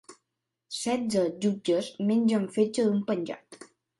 Setze jutges mengen fetge d'un penjat